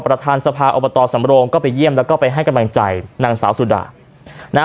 ประธานสภาอบตสำโรงก็ไปเยี่ยมแล้วก็ไปให้กำลังใจนางสาวสุดานะฮะ